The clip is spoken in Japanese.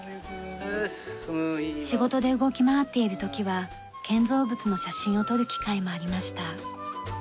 仕事で動き回っている時は建造物の写真を撮る機会もありました。